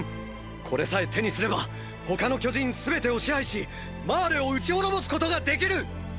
これさえ手にすれば他の巨人すべてを支配しマーレを討ち滅ぼすことができる！！